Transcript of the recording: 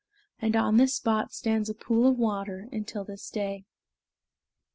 And on this spot stands a pool of water until this day.